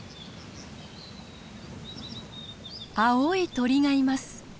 青い鳥がいます。